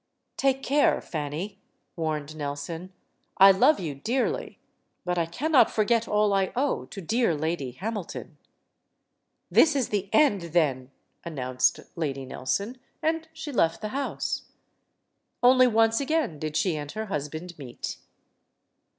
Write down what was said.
"Take care, Fanny!" warned Nelson. "I love you dearly. But I cannot forget all I owe to dear Lady Hamilton." "This is the end, then," announced Lady Nelson, and she left the house. Only once again did she and her husband meet.